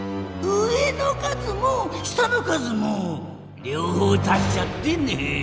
上の数も下の数もりょう方たしちゃってね！